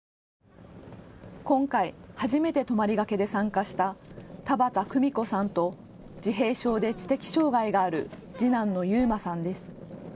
今回、初めて泊まりがけで参加した田端久美子さんと自閉症で知的障害がある次男の勇馬さんです。